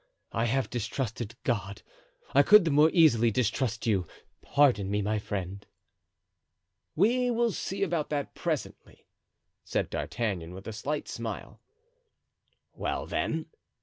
"I have distrusted God; I could the more easily distrust you. Pardon me, my friend." "We will see about that presently," said D'Artagnan, with a slight smile. "Well, then?"